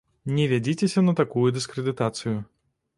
Не вядзіцеся на такую дыскрэдытацыю.